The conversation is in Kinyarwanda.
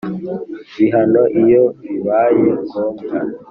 bihano iyo bibaye ngombwa